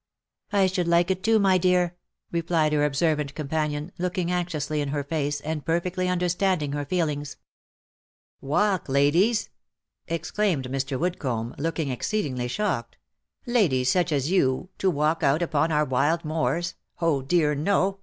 I should like it too, my dear," replied her observant com panion, looking anxiously in her face, and perfectly understanding her feelings. " Walk, ladies !" exclaimed Mr. Woodcomb, looking exceedingly shocked, " ladies such as you to walk out upon our wild moors? Oh dear no